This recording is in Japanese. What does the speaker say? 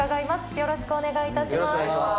よろしくお願いします。